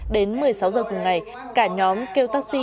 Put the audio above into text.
đến một mươi sáu h cùng ngày cả nhóm kêu taxi đến trường